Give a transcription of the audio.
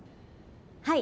はい。